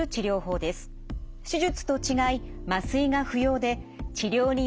手術と違い